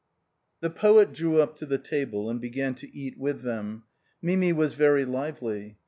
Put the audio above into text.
The poet drew up to the table, and began to eat with them. Mimi was very lively.